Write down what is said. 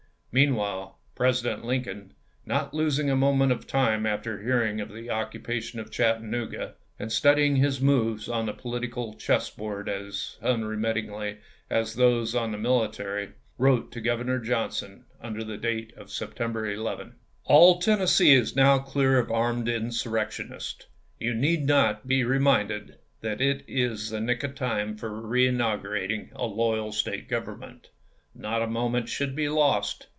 Meanwhile President Lincoln, not losing a moment of time after hearing of the occui3ation of Chattanooga, and studying his moves on the political chess board as unremittingly as those on the military, wrote to Governor Johnson, under date of September 11 : All Tennessee is now clear of armed insurrectionists. You need not to be reminded that it is the nick of time for reinaugurating a loyal State government. Not a moment should be lost.